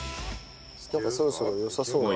なんかそろそろよさそうな。